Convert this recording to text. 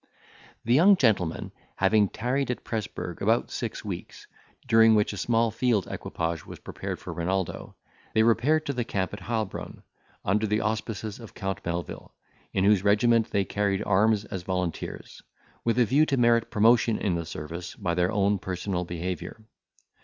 The young gentlemen having tarried at Presburg about six weeks, during which a small field equipage was prepared for Renaldo, they repaired to the camp at Heilbron, under the auspices of Count Melvil, in whose regiment they carried arms as volunteers, with a view to merit promotion in the service by their own personal behaviour.